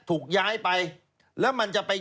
ถูกย้ายไปแล้วมันจะไป